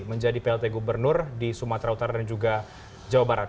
menjadi plt gubernur di sumatera utara dan juga jawa barat